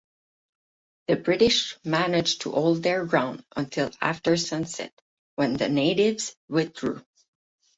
The British managed to hold their ground until after sunset, when the natives withdrew.